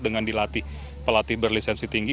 dengan dilatih pelatih berlisensi tinggi